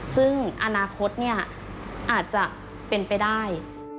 ซึ่งอนาคตเนี่ยอาจจะเป็นไปได้